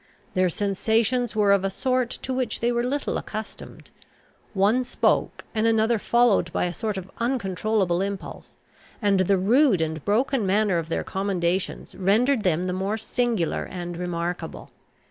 Their sensations were of a sort to which they were little accustomed. One spoke, and another followed by a sort of uncontrollable impulse; and the rude and broken manner of their commendations rendered them the more singular and remarkable.